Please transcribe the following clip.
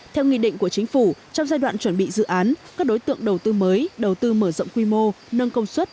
theo nghị định của chính phủ trong giai đoạn chuẩn bị dự án các đối tượng đầu tư mới đầu tư mở rộng quy mô nâng công suất